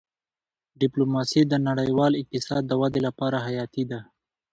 ډيپلوماسي د نړیوال اقتصاد د ودې لپاره حیاتي ده.